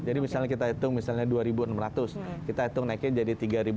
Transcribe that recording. jadi misalnya kita hitung misalnya dua enam ratus kita hitung naiknya jadi tiga lima ratus